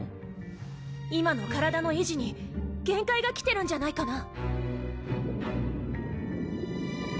今の体の維持に限界が来てるんじゃないかな？